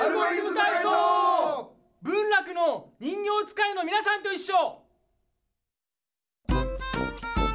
文楽の人形遣いのみなさんといっしょ！